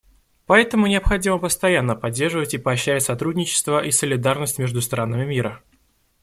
Поэтому необходимо постоянно поддерживать и поощрять сотрудничество и солидарность между странами мира.